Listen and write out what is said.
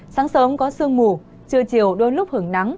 sáng sớm có sương mù trưa chiều đôi lúc hứng nắng